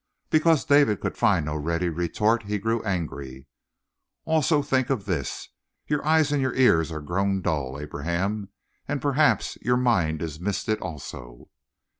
Because David could find no ready retort he grew angry. "Also, think of this. Your eyes and your ears are grown dull, Abraham, and perhaps your mind is misted also."